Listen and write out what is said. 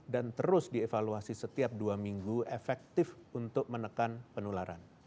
dan terus dievaluasi setiap dua minggu efektif untuk menekan penularan